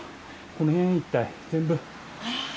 この辺一帯全部。